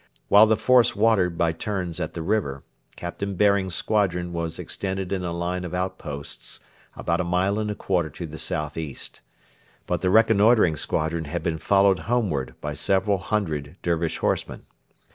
While the force watered by turns at the river Captain Baring's squadron was extended in a line of outposts about a mile and a quarter to the south east. But the reconnoitring squadron had been followed homeward by several hundred Dervish horsemen.